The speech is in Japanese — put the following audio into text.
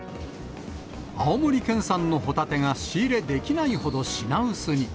青森県産のホタテが仕入れできないほど品薄に。